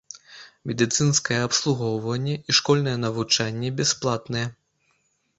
Медыцынскае абслугоўванне і школьнае навучанне бясплатныя.